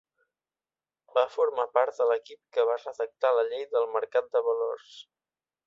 Va formar part de l'equip que va redactar la Llei del Mercat de Valors.